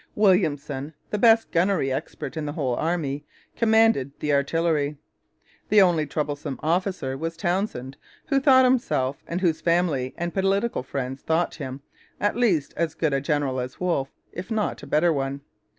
Williamson, the best gunnery expert in the whole Army, commanded the artillery. The only troublesome officer was Townshend, who thought himself, and whose family and political friends thought him, at least as good a general as Wolfe, if not a better one.